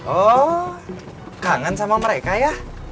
oh kangen sama mereka ya